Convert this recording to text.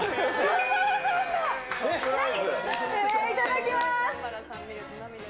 えー、いただきます。